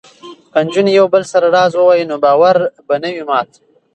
که نجونې یو بل سره راز ووايي نو باور به نه وي مات.